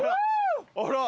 あら？